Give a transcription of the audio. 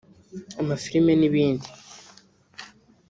amafilme n’ibindi